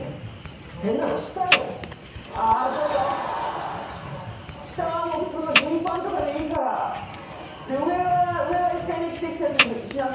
変なの下よああちょっと下はもう普通のジーパンとかでいいからで上は上は１回目着てきたヤツにしなさい